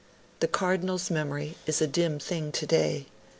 The Cardinal's memory is a dim thing today.